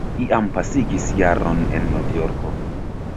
Iam pasigis jaron en Novjorko.